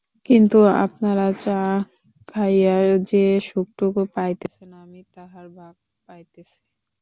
কিন্তু আপনারা চা খাইয়া যে সুখটুকু পাইতেছেন আমি তাহার ভাগ পাইতেছি।